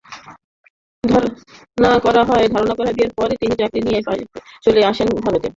ধারণা করা হয়, বিয়ের পরপরই তিনি চাকরি নিয়ে চলে আসেন ভারতে।